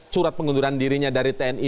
surat pengunduran dirinya dari tni